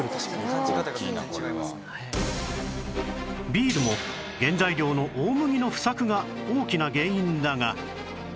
ビールも原材料の大麦の不作が大きな原因だが